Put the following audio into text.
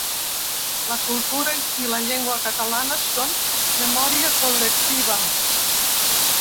La cultura i la llengua catalanes són memòria col·lectiva.